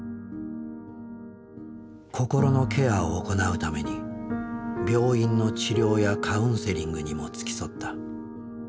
心のケアを行うために病院の治療やカウンセリングにも付き添った。